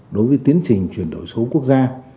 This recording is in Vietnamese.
đối với tiến trình chuyển đổi số quốc gia